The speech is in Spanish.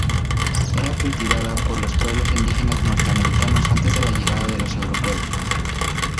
Era cultivada por los pueblos indígenas norteamericanos antes de la llegada de los europeos.